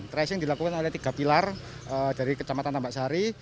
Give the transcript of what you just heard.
tracing dilakukan oleh tiga pilar dari kecamatan tambak sari